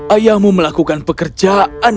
ayahmu melakukan pekerjaan